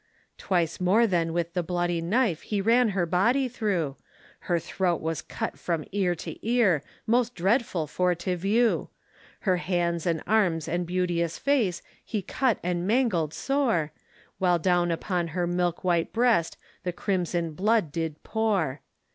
Twice more then with the bloody knife He ran her body through, Her throat was cut from ear to ear, Most dreadful for to view; Her hands and arms and beauteous face He cut and mangled sore, While down upon her milk white breast The crimson blood did pour.